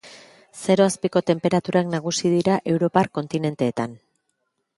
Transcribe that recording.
Zero azpiko tenperaturak nagusi dira europar kontinentean.